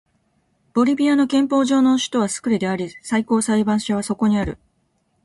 ボリビアの憲法上の首都はスクレであり最高裁判所はそこにある